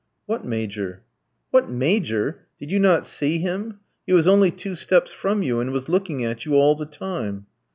"What Major?" "What Major! Did you not see him? He was only two steps from you, and was looking at you all the time."